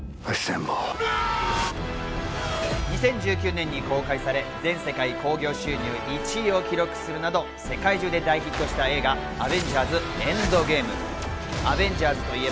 ２０１９年に公開され全世界興行収入１位を記録するなど世界中で大ヒットした映画『アベンジャーズ／エンドゲーム』。